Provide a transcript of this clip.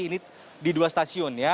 ini di dua stasiun ya